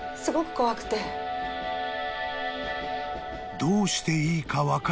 ［どうしていいか分からない］